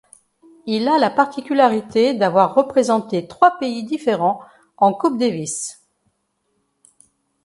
Il a la particularité d'avoir représenté trois pays différent en Coupe Davis.